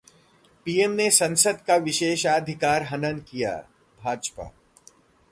PM ने संसद का विशेषाधिकार हनन किया: भाजपा